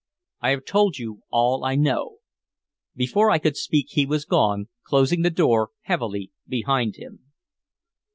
I have told you all I know." Before I could speak he was gone, closing the door heavily behind him.